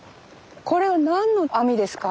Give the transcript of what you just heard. これは何の網ですか？